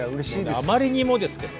あまりにもですけど。